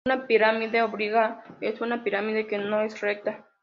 Una pirámide oblicua es una pirámide que no es recta.